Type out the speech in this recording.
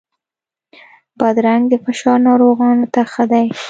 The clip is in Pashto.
بادرنګ د فشار ناروغانو ته ښه دی.